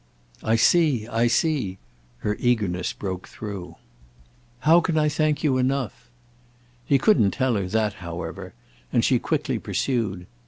"I see—I see." Her eagerness broke through. "How can I thank you enough?" He couldn't tell her that, however, and she quickly pursued.